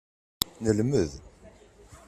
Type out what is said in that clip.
Nelmed.